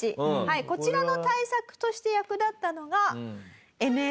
こちらの対策として役立ったのが。